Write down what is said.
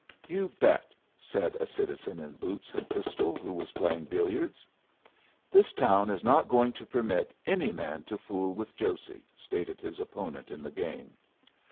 "You bet," said a citizen in boots and pistol, who was playing billiards. "This town is not going to permit any man to fool with Josey," stated his opponent in the game.